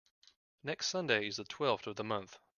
Next Sunday is the twelfth of the month.